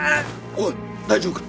おい大丈夫か？